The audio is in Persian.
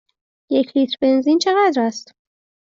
یک لیتر بنزین چقدر است؟